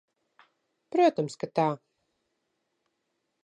Protams, ka tā.